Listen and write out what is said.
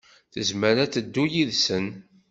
Tezmer ad teddu yid-sen.